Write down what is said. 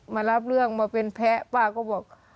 มารับเรื่องมาเป็นแพ้ป้าก็บอก